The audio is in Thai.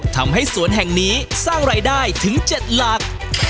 ทำให้สวนแห่งนี้สร้างรายได้ถึง๗หลัก